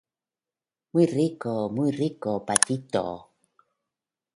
muy rico, muy rico, patito.